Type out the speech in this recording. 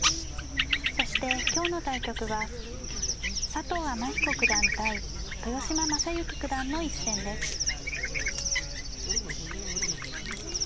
そして今日の対局は佐藤天彦九段対豊島将之九段の一戦です。